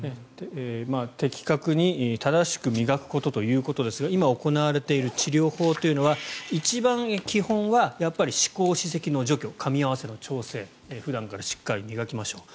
的確に正しく磨くことということですが今、行われている治療法というのは一番基本はやっぱり歯垢、歯石の除去かみ合わせの調整普段からしっかり磨きましょう。